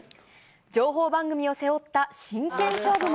情報番組を背負った真剣勝負も。